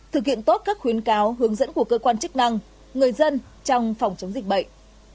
thực hiện tốt các khuyến cáo hướng dẫn của cơ quan chức năng người dân trong phòng chống dịch bệnh